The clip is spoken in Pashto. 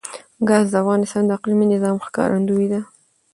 ګاز د افغانستان د اقلیمي نظام ښکارندوی ده.